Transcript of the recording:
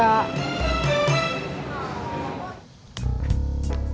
kalau aku pasti nggak tega